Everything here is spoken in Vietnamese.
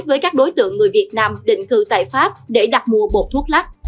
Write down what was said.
với các đối tượng người việt nam định cư tại pháp để đặt mua bột thuốc lắc